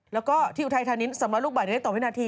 แล้วก็ที่อุทัยธานิน๓๐๐ลูกบาทเมตรต่อวินาที